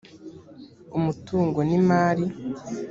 umutungo n’imari